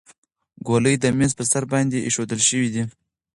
ګولۍ د میز په سر باندې ایښودل شوې دي.